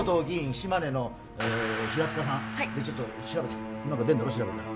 島根の平塚さん」でちょっと調べて何か出るんだろ？